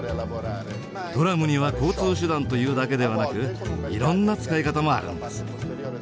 トラムには交通手段というだけではなくいろんな使い方もあるんです。